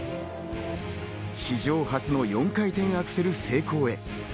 史上初の４回転アクセル成功へ。